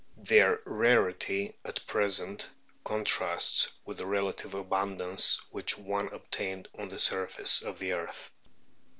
Their rarity at present contrasts with the relative abundance which once obtained on the surface of the earth.